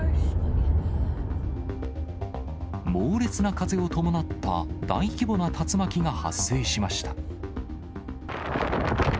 猛烈な風を伴った大規模な竜巻が発生しました。